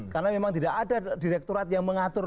karena memang tidak ada direkturat yang mengakses